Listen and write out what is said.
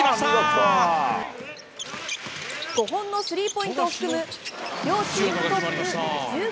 スリーポイント！